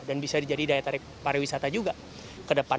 dan bisa jadi daya tarik para wisata juga ke depan